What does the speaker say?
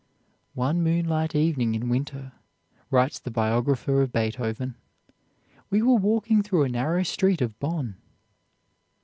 "One moonlight evening in winter," writes the biographer of Beethoven, "we were walking through a narrow street of Bonn.